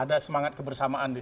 ada semangat kebersamaan di sana